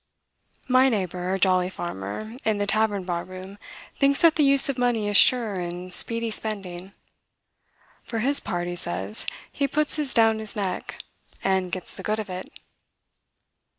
My neighbor, a jolly farmer, in the tavern bar room, thinks that the use of money is sure and speedy spending. "For his part," he says, "he puts his down his neck, and gets the good of it."